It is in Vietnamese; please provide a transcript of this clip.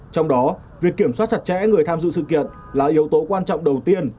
trong đó việc kiểm soát chặt chẽ người tham dự sự kiện là yếu tố quan trọng đầu tiên